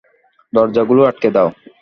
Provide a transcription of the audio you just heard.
দরজাগুলো আটকে দাও।